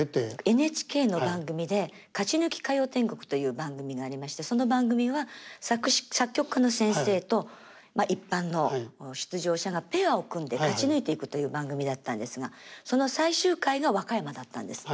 ＮＨＫの番組で「勝ち抜き歌謡天国」という番組がありましてその番組は作曲家の先生と一般の出場者がペアを組んで勝ち抜いていくという番組だったんですがその最終回が和歌山だったんです。